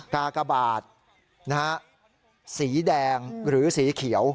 กากบาทสีแดงหรือสีเขียว